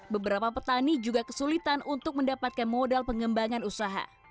beberapa petani juga kesulitan untuk mendapatkan modal pengembangan usaha